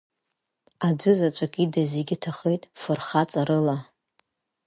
Аӡәызаҵәык ида зегьы ҭахеит фырхаҵарыла.